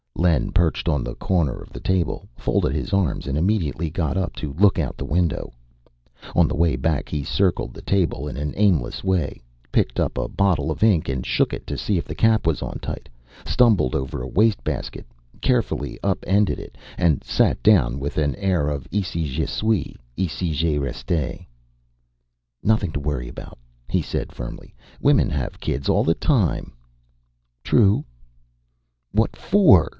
Len perched on the corner of the table, folded his arms, and immediately got up to look out the window. On the way back, he circled the table in an aimless way, picked up a bottle of ink and shook it to see if the cap was on tight, stumbled over a wastebasket, carefully up ended it, and sat down with an air of Ici je suis, ici je reste. "Nothing to worry about," he said firmly. "Women have kids all the time." "True." "What for?"